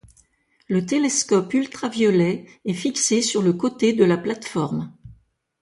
Le télescope ultraviolet est fixé sur le côté de la plateforme.